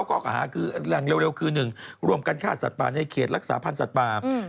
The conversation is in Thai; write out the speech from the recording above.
ข้อหาคืออย่างเร็วคือ๑ร่วมกันฆ่าสัตว์ป่าในเขตรักษาพันธ์สัตว์ป่า